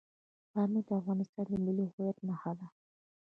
پامیر د افغانستان د ملي هویت نښه ده.